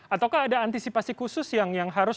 ataukah ada antisipasi khusus yang harus